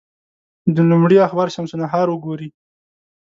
د لومړي اخبار شمس النهار وګوري.